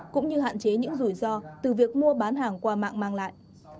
cũng như hạn chế những rủi ro từ việc mua bán hàng qua mạng mang lại